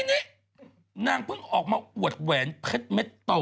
ทีนี้นางเพิ่งออกมาอวดแหวนเพชรเม็ดโต